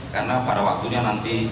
karena pada waktunya nanti